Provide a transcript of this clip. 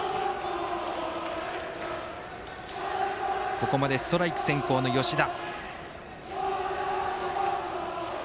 ここまでストライク先行の吉田。